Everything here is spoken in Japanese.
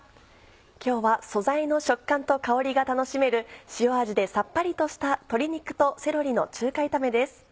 今日は素材の食感と香りが楽しめる塩味でさっぱりとした「鶏肉とセロリの中華炒め」です。